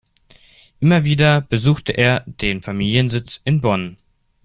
Immer wieder besuchte er den Familiensitz in Bonn.